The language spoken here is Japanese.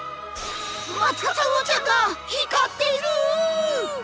マツカサウオちゃんが光っている！